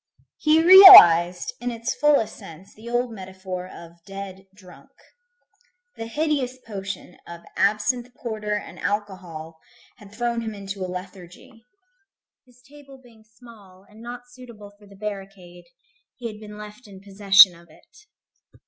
He realized in its fullest sense the old metaphor of "dead drunk." The hideous potion of absinthe porter and alcohol had thrown him into a lethargy. His table being small, and not suitable for the barricade, he had been left in possession of it.